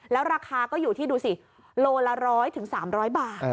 แล้วราคาก็อยู่ที่ดูสิโลละ๑๐๐๓๐๐บาท